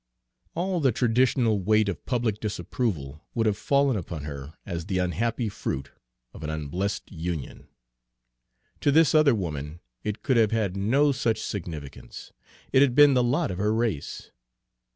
All the traditional weight of public disapproval would have fallen upon her as the unhappy fruit of an unblessed union. To this other woman it could have had no such significance, it had been the lot of her race.